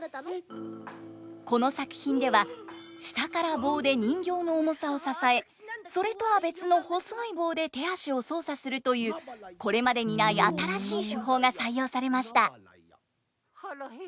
この作品では下から棒で人形の重さを支えそれとは別の細い棒で手足を操作するというこれまでにない新しい手法が採用されました。